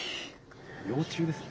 幼虫ですね。